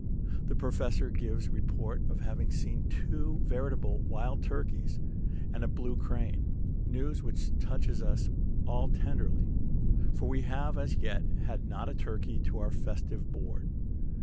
The Professor gives report of having seen two veritable wild turkeys and a blue crane, news which touches us all tenderly; for we have as yet had not a turkey to our festive board.